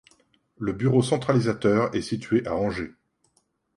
Le bureau centralisateur est situé à Angers.